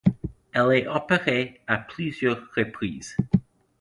Elle est opérée à plusieurs reprises.